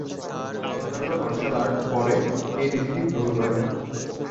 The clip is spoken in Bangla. অন্যান্য মার্শাল আর্ট পরে এই রীতিটি গ্রহণ করে।